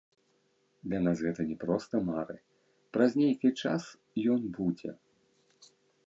Для нас гэта не проста мары, праз нейкі час ён будзе.